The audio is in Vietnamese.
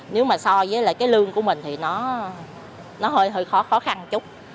nếu mà so với cái lương của mình thì nó hơi khó khăn chút